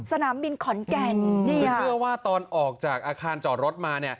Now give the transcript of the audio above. สนามบินขอนแก่นนี่เชื่อว่าตอนออกจากอาคารจอดรถมาเนี่ย